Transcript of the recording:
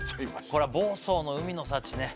これ房総の海の幸ね